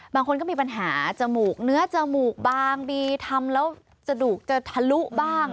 บางคนก็มีปัญหาจมูกเนื้อจมูกบางบีทำแล้วจมูกจะทะลุบ้าง